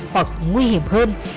hoặc nguy hiểm hơn